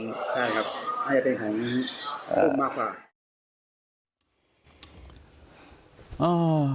ใช่ครับให้เป็นของผมมากกว่า